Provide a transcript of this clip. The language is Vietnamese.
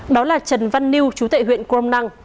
đó là trần văn niu chú tệ huyện grom năng